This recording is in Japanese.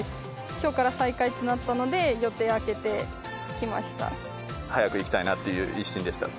きょうから再開となったので、早く行きたいなっていう一心でした。